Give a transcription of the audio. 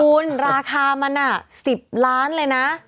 คุณราคามัน๑๐ล้านเลยนะ